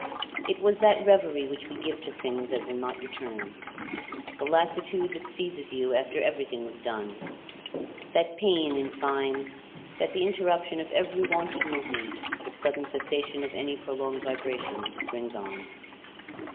It was that reverie which we give to things that will not return, the lassitude that seizes you after everything was done; that pain, in fine, that the interruption of every wonted movement, the sudden cessation of any prolonged vibration, brings on.